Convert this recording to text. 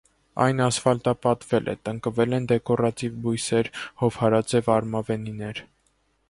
Այն ասֆալտապատվել է, տնկվել են դեկորատիվ բույսեր, հովհարաձև արմավենիներ։